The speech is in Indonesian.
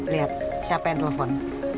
lihat siapa yang telepon